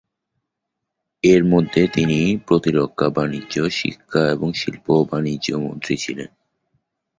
এর মধ্যে তিনি প্রতিরক্ষা, বাণিজ্য, শিক্ষা এবং শিল্প ও বাণিজ্য মন্ত্রী ছিলেন।